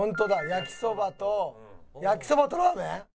焼きそばと焼きそばとラーメン！？」